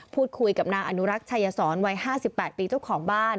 พูดคุยกับนางอนุรักษ์ชัยสรวัย๕๘ปีเจ้าของบ้าน